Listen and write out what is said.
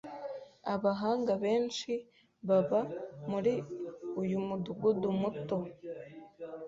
Abahanga benshi baba muri uyu mudugudu muto.